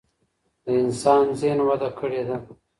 د انسان ذهن وده کړې ده.